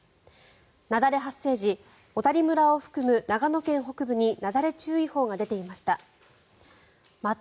雪崩発生時小谷村を含む長野県北部になだれ注意報が出ていました。